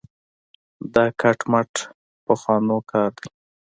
دا کټ مټ پخوانو کار دی.